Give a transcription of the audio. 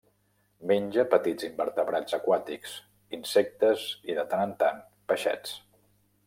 Menja petits invertebrats aquàtics, insectes i, de tant en tant, peixets.